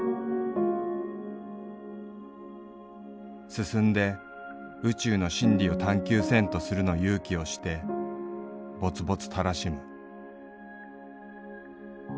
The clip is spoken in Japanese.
「進んで宇宙の真理を探究せんとするの勇気をして勃々たらしむ」。